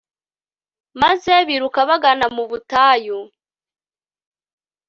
maze biruka bagana mu butayu